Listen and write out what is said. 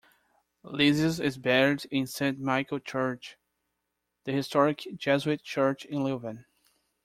Lessius is buried in Saint Michael Church, the historic Jesuit church in Leuven.